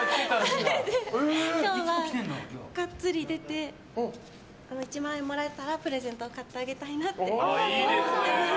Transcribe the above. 今日はガッツリ出て１万円もらえたらプレゼントを買ってあげたいなって思っています。